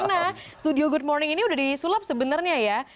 karena studio good morning ini udah disulap sebenarnya ya